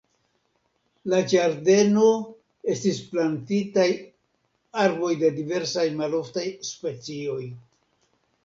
La ĝardeno estis plantitaj arboj de diversaj maloftaj specioj.